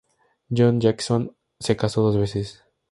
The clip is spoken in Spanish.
John Jackson se casó dos veces.